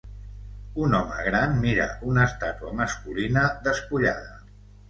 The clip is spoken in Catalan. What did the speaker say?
Un home gran mira una estàtua masculina despullada